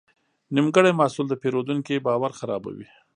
نیمګړی محصول د پیرودونکي باور خرابوي.